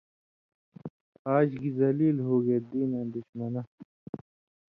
آج گی ذلیل ہوگے دِیناں دُشمنہ